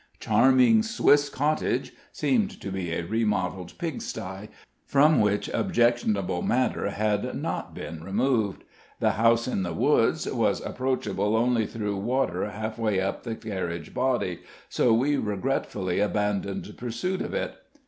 "Charming Swiss Cottage" seemed to be a remodeled pig stye, from which objectionable matter had not been removed. "The House in the Woods" was approachable only through water half way up to the carriage body; so we regretfully abandoned pursuit of it.